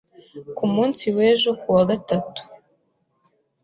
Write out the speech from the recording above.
ku munsi w'ejo ku wa gatatu,